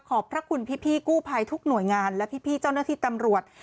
พระคุณพี่กู้ภัยทุกหน่วยงานและพี่เจ้าหน้าที่ตำรวจ